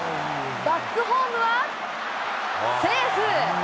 バックホームは、セーフ。